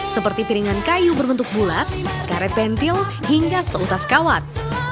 seperti piringan kayu berbentuk bulat karet pentil hingga seutas kawat